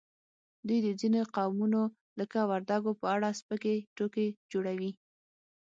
دوی د ځینو قومونو لکه وردګو په اړه سپکې ټوکې جوړوي